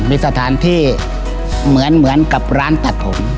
มีสถานที่เหมือนกับร้านตัดผม